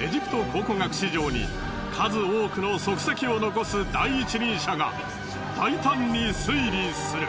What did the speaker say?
エジプト考古学史上に数多くの足跡を残す第一人者が大胆に推理する。